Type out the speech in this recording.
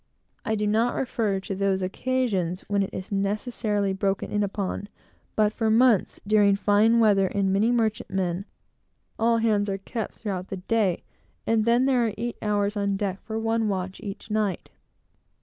I do not refer to those occasions when it is necessarily broken in upon; but, for months, during fine weather, in many merchantmen, all hands are kept, throughout the day, and, then, there are eight hours on deck for one watch each night.